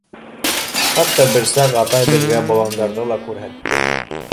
Хатта бер саҡ атай беҙгә боландарҙы ла күрһәтте!